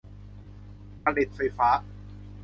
ผลิตไฟฟ้า